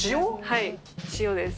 はい、塩です。